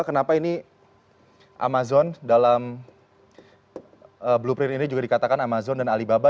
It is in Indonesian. kenapa ini amazon dalam blueprint ini juga dikatakan amazon dan alibaba